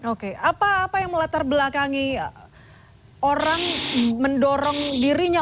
oke apa yang melatar belakangi orang mendorong dirinya